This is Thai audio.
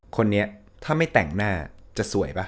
คนนี้ถ้าไม่แต่งหน้าจะสวยป่ะ